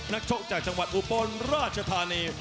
นักชกจากจังหวัดอุบลราชธานี